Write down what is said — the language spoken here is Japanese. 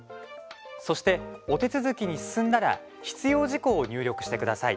そして、お手続きに進んだら必要事項を入力してください。